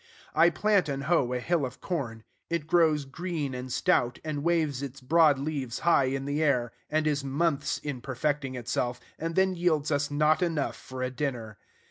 I plant and hoe a hill of corn: it grows green and stout, and waves its broad leaves high in the air, and is months in perfecting itself, and then yields us not enough for a dinner.